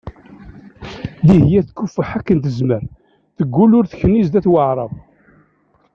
Dihya tkufeḥ akken tezmer, teggul ur tekni zdat Waεrab.